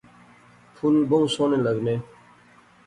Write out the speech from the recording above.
پُھل بہوں سونے لغنے